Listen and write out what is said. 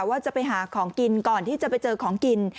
ว่าจะไปหาของกินก่อนที่จะไปเจอของกิน